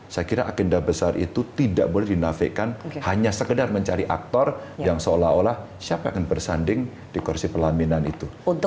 saya kira agenda besar itu tidak boleh dinafikan hanya sekedar mencari aktor yang seolah olah siapa yang akan bersanding di kursi pelaminan itu